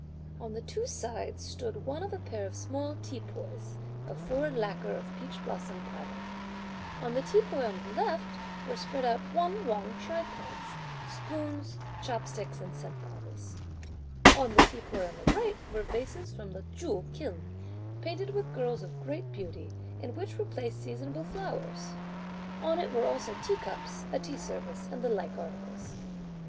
On the two sides, stood one of a pair of small teapoys of foreign lacquer of peach blossom pattern. On the teapoy on the left, were spread out Wen Wang tripods, spoons, chopsticks and scent bottles. On the teapoy on the right, were vases from the Ju Kiln, painted with girls of great beauty, in which were placed seasonable flowers; (on it were) also teacups, a tea service and the like articles.